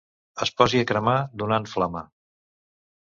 Es posi a cremar donant flama.